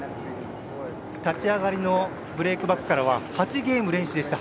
立ち上がりのブレークバックからは８ゲーム連取でした。